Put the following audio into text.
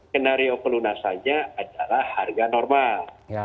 skenario pelunasannya adalah harga normal